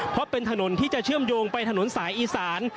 เพราะเป็นถนนที่จะเชื่อมโยงไปถนนสายอีสาน